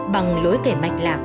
bằng lối kể mạch lạc